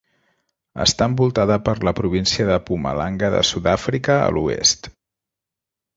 Està envoltada per la província de Mpumalanga de Sud-àfrica a l'oest.